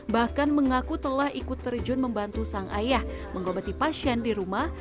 bahkan mengaku telah ikut terjun membantu sang ayah mengobati pasien di rumah